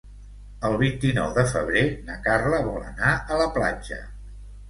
El vint-i-nou de febrer na Carla vol anar a la platja.